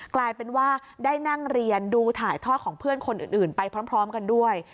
กลายเป็นว่าได้นั่งเรียนดูถ่ายทอดของเพื่อนคนอื่นไปพร้อมกันด้วย